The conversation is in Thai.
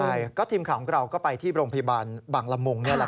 ใช่ก็ทีมข่าวของเราก็ไปที่โรงพยาบาลบางละมุง